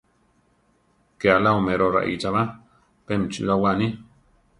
Ke alá oméro raícha ba, pemi chilówa ani.